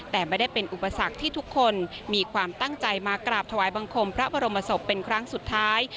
แต่ไม่ได้เป็นอุปสรรคที่ทุกคนมีความตั้งใจมากราบถวายบังคมพระบรมศพเป็นครั้งสุดท้าย